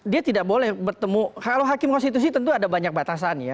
dia tidak boleh bertemu kalau hakim konstitusi tentu ada banyak batasannya